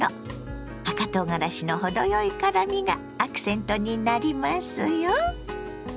赤とうがらしの程よい辛みがアクセントになりますよ。